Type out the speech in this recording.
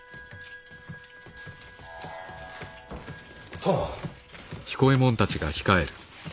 殿。